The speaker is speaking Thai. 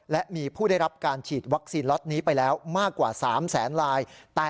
และมีผู้ได้รับการฉีดวัคซีนล็อตนี้ไปแล้วมากกว่า๓แสนลาย